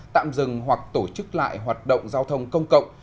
tạm dừng hoặc tổ chức lại hoạt động giao thông công cộng